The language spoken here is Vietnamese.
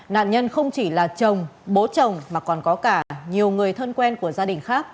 nạn nhân không chỉ là chồng bố chồng mà còn có cả nhiều người thân quen của gia đình khác